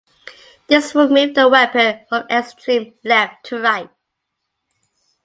This will move the weapon from extreme left to right.